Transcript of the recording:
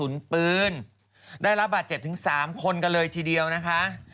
ศูนย์ปืนได้รับบัตร๗ถึง๓คนกันเลยทีเดียวนะคะ